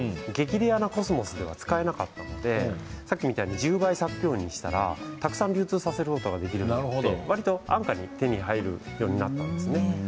レアなコスモスで使えなかったのでさっきみたいに１０倍咲くようにしたらたくさん流通できるようになってわりと安価で手に入るようになったんですね。